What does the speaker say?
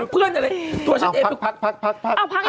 เพื่อนอะไรตัวฉันเองคือพัก